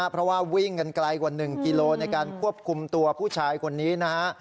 เพราะว่าวิ่งกันไกลกว่า๑กิโลในการควบคุมตัวผู้ชายคนนี้นะฮะ